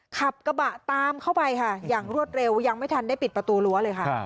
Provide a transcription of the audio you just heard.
ขับกระบะตามเข้าไปค่ะอย่างรวดเร็วยังไม่ทันได้ปิดประตูรั้วเลยค่ะ